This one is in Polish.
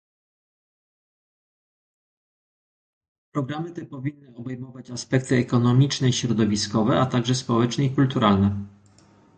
Programy te powinny obejmować aspekty ekonomiczne i środowiskowe, a także społeczne i kulturalne